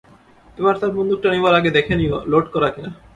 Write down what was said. এবার তার বন্দুকটা নেবার আগে দেখে নিও লোড করা কি না।